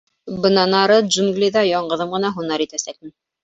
— Бынан ары джунглиҙа яңғыҙым ғына һунар итәсәкмен.